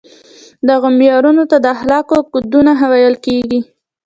دغو معیارونو ته د اخلاقو کودونه ویل کیږي.